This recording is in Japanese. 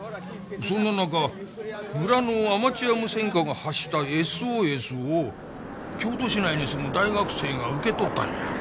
そんな中村のアマチュア無線家が発したＳＯＳを京都市内に住む大学生が受け取ったんや。